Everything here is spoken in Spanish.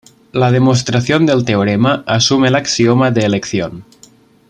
La demostración del teorema asume el axioma de elección.